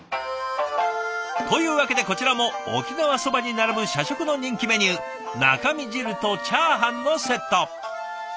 というわけでこちらも沖縄そばに並ぶ社食の人気メニュー中身汁とチャーハンのセット！